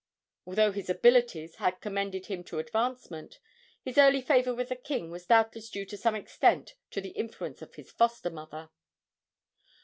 Although his abilities had commended him to advancement, his early favor with the king was doubtless due to some extent to the influence of his foster mother.